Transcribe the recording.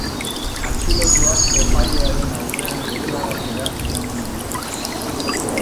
Atxilotuak epailearen aurrean deklaratzera eraman dituzte.